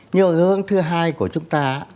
nhưng mà hướng thứ hai của chúng ta